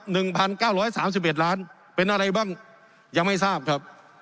หนึ่งพันเก้าร้อยสามสิบเอ็ดล้านเป็นอะไรบ้างยังไม่ทราบครับ